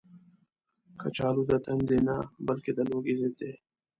کچالو د تندې نه، بلکې د لوږې ضد دی